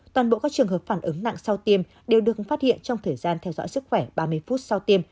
toàn bộ các trường hợp phản ứng nặng sau tiêm đều được phát hiện trong thời gian theo dõi sức khỏe ba mươi phút sau tiêm